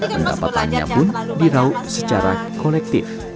pendapatannya pun dirau secara kolektif